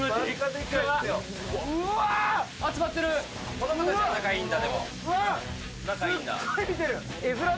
子供たちは仲いいんだ。